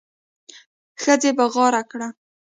ښځې بغاره کړه.